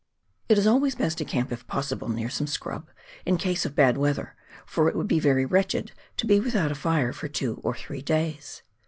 It is always best to camp, if possible, near some scrub, in case of bad weather, for it would be very wretched to be without a fire for two or three days.